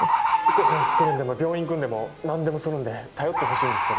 ごはん作るんでも病院行くんでも何でもするんで頼ってほしいんですけど。